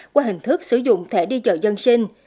qua hình thức sử dụng thẻ đi chợ dân sinh